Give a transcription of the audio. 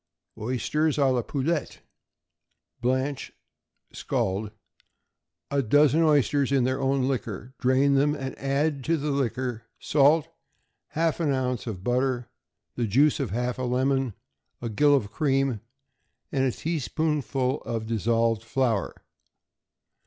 =Oysters à la Poulette.= Blanch (scald) a dozen oysters in their own liquor; drain them, and add to the liquor, salt, half an ounce of butter, the juice of half a lemon, a gill of cream, and a teaspoonful of dissolved flour.